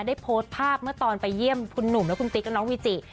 ได้โพสต์ภาพเมื่อตอนไปเยี่ยมคุณหนุ่มและคุณติ๊กและน้องวิจิ